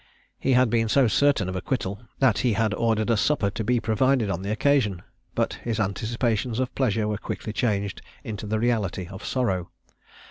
He had been so certain of acquittal, that he had ordered a supper to be provided on the occasion; but his anticipations of pleasure were quickly changed into the reality of sorrow.